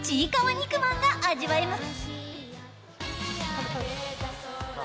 肉まんが味わえます。